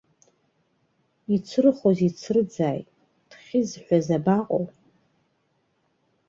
Ицрыхоз ицрыӡааит, дхьызҳәаз абаҟоу?!